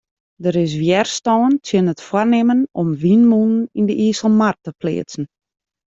Der is wjerstân tsjin it foarnimmen om wynmûnen yn de Iselmar te pleatsen.